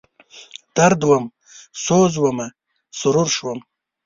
درد وم، سوز ومه، سرور شوم